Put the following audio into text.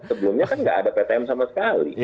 sebelumnya kan nggak ada ptm sama sekali